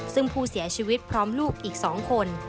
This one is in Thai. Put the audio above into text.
ซึ่งผู้เสียชีวิตพร้อมลูกอีก๒คน